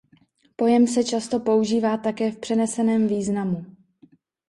Pojem se často se používá také v přeneseném významu.